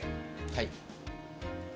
はい。